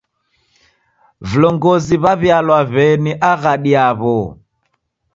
Vilongozi w'aw'ialwa w'eni aghadi yaw'o.